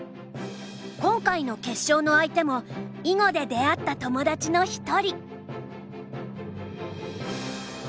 今回の決勝の相手も囲碁で出会った友達の一人。